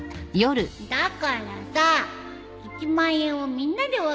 だからさ１万円をみんなで分けるんだよ。